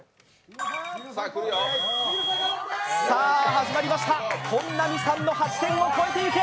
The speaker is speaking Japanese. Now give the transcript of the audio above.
始まりました、本並さんの８点を超えていけ。